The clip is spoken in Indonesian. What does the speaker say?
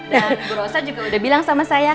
dan bu rosa juga udah bilang sama saya